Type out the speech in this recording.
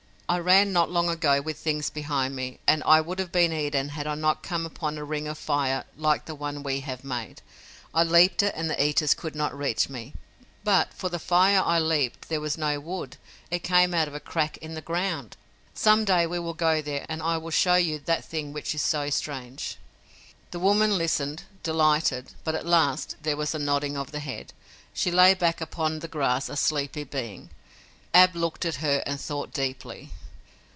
"I ran not long ago with things behind me, and I would have been eaten had I not come upon a ring of fire like the one we have made. I leaped it and the eaters could not reach me. But, for the fire I leaped there was no wood. It came out of a crack in the ground. Some day we will go there and I will show you that thing which is so strange." The woman listened, delighted, but, at last, there was a nodding of the head. She lay back upon the grass a sleepy being. Ab looked at her and thought deeply.